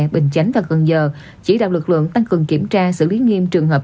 bình chánh và cần giờ chỉ đạo lực lượng tăng cường kiểm tra xử lý nghiêm trường hợp